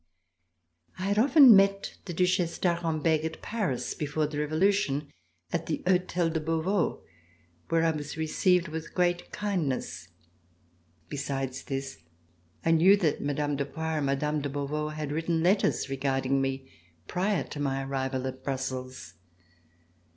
I had often met the Duchesse d'Arenberg at Paris RECOLLECTIONS OF THE REVOLUTION before the Revolution, at the Hotel de Beauvau, where I was received with great kindness. Besides this, I knew that Mme. de Poix and Mme. de Beauvau had written letters regarding me prior to my arrival at Brussels.